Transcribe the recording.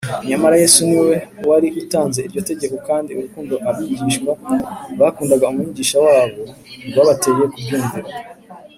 nyamara yesu niwe wari utanze iryo tegeko, kandi urukundo abigishwa bakundaga umwigisha wabo rwabateye kuryumvira